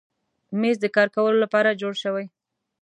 مېز د کار کولو لپاره جوړ شوی.